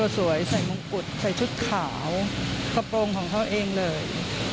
สวยใส่มงกุฎใส่ชุดขาวกระโปรงของเขาเองเลย